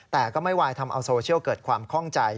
แต่ก็ไม่วายทำเอาโซเชียลเกิดความคล่องใจ